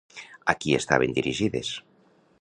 A qui estaven dirigides?